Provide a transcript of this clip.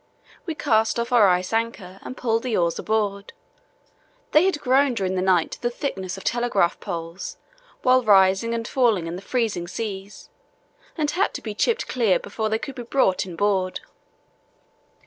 We cast off our ice anchor and pulled the oars aboard. They had grown during the night to the thickness of telegraph poles while rising and falling in the freezing seas, and had to be chipped clear before they could be brought inboard.